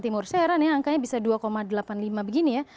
timur saya heran ya angkanya bisa dua delapan puluh lima begini ya